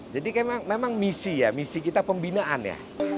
jadi memang misi ya misi kita pembinaan ya